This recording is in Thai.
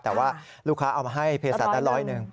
แต่ว่าลูกค้าเอามาให้เพศัตว์ละร้อยหนึ่ง